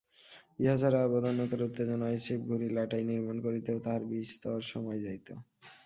ইহা ছাড়া বদান্যতার উত্তেজনায় ছিপ ঘুড়ি লাটাই নির্মাণ করিতেও তাঁহার বিস্তর সময় যাইত।